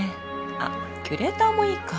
あっキュレーターもいいか